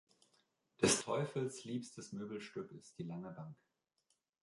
Des Teufels liebstes Möbelstück ist die lange Bank.